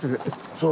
そう。